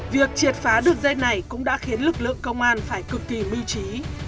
việc triệt phá đường dây này cũng đã khiến lực lượng công an phải cực kỳ mưu trí